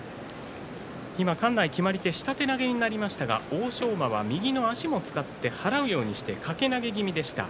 今、館内決まり手下手投げになりましたが欧勝馬は右の足も使って払うようにして掛け投げ気味でした。